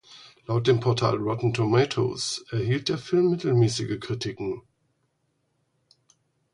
Laut dem Portal Rotten Tomatoes erhielt der Film mittelmäßige Kritiken.